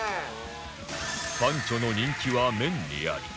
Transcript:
パンチョの人気は麺にあり